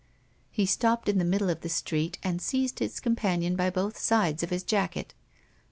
He stopped in the middle of the street, and seized his companion by both sides of his jacket.